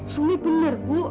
sumi benar bu